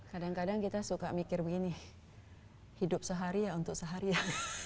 kadang kadang kita suka mikir begini hidup sehari ya untuk seharian